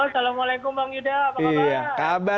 assalamualaikum bang yuda apa kabar